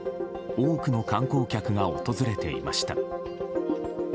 多くの観光客が訪れていました。